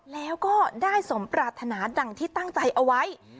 แล้วก็ได้สมปรารถนาดังที่ตั้งใจเอาไว้